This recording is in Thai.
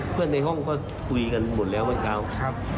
เพื่อนในห้องเขาคุยกันหมดแล้วครับ